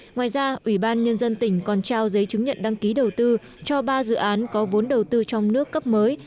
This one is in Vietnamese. ngoài ra ubnd tỉnh còn trao giấy chứng nhận đăng ký đầu tư cho ba dự án có vốn đầu tư trong nước cấp mới